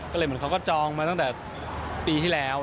ก็เลยเหมือนเขาก็จองมาตั้งแต่ปีที่แล้ว